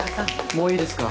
もういいですか？